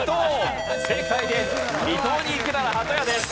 正解です。